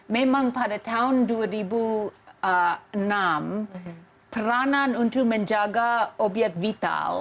memang pada tahun dua ribu enam peranan untuk menjaga obyek vital